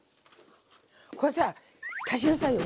これさぁ足しなさいよ